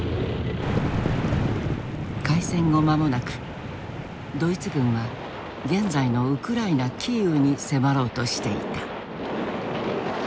開戦後間もなくドイツ軍は現在のウクライナ・キーウに迫ろうとしていた。